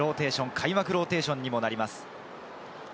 開幕ローテーションになります。